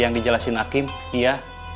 yang dijelasin hakim iya